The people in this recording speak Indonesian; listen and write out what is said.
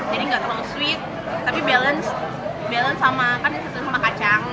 jadi gak terlalu sweet tapi balance sama kacang